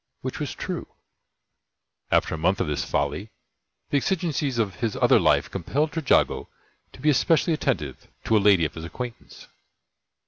Which was true. After a month of this folly, the exigencies of his other life compelled Trejago to be especially attentive to a lady of his acquaintance.